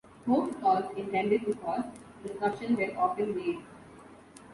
Hoax calls, intended to cause disruption, were often made.